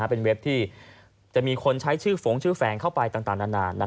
เป็นเว็บที่มีคนใช้ชื่อหนังแต่งโฟนโน้นเข้าไปต่างนาน